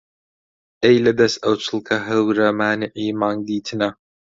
ئەی لە دەس ئەو چڵکە هەورە مانیعی مانگ دیتنە